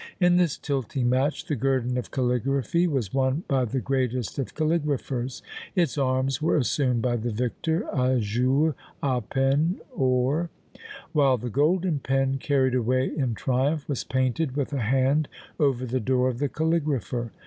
In this tilting match the guerdon of caligraphy was won by the greatest of caligraphers; its arms were assumed by the victor, azure, a pen or; while the "golden pen," carried away in triumph, was painted with a hand over the door of the caligrapher.